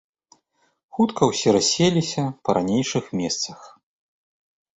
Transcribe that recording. Хутка ўсе расселіся па ранейшых месцах.